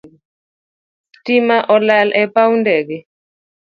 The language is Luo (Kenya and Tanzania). Stima olal e paw ndege